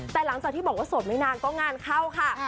แต่หลังจากที่บอกว่าโสดไม่นานก็งานเข้าค่ะ